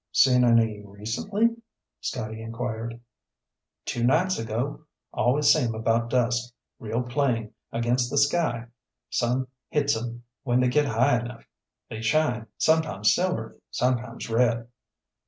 "Seen any recently?" Scotty inquired. "Two nights ago. Always see 'em about dusk. Real plain, against the sky. Sun hits 'em when they get high enough. They shine, sometimes silver, sometimes red."